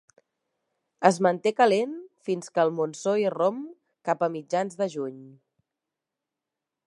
Es manté calent fins que el monsó irromp cap a mitjans de juny.